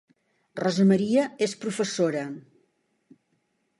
Rosa Maria és professora